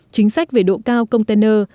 chính sách về độ cao container